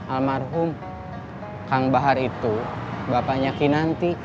almarhum kang bahar itu bapaknya kinanti